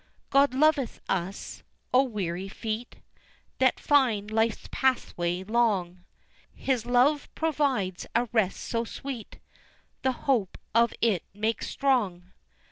God loveth us! O weary feet That find life's pathway long, His love provides a rest so sweet The hope of it makes strong.